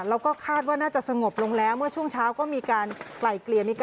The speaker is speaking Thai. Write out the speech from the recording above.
แล้วก็คาดว่าน่าจะสงบลงแล้วเมื่อช่วงเช้าก็มีการไกลเกลี่ย